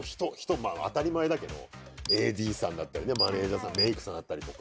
まあ当たり前だけどＡＤさんだったりねマネージャーさんメイクさんだったりとか。